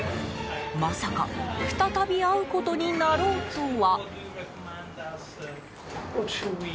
まさか再び会うことになろうとは。